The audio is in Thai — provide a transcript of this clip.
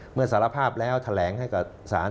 เมื่อสารภาพแล้วแถลงให้กับศาล